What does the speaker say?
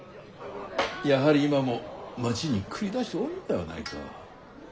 やはり今も町に繰り出しておるのではないか。